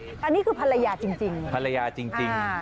นี่ปะอันนี้คือภรรยาจริง